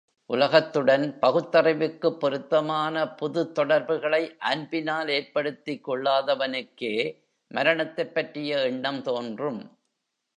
உலகத்துடன் பகுத்தறிவுக்குப் பொருத்தமான புதுத் தொடர்புகளை அன்பினால் ஏற்படுத்திக் கொள்ளாதவனுக்கே மரணத்தைப் பற்றிய எண்ணம் தோன்றும்.